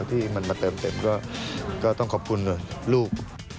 ที่มันมาเติมเต็มก็ต้องขอบคุณหน่อยลูก